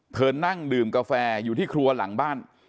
นั่งดื่มกาแฟอยู่ที่ครัวหลังบ้าน